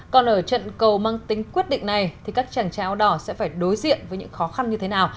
còn ở trận cầu mang tính quyết định này thì các chàng trau đỏ sẽ phải đối diện với những khó khăn như thế nào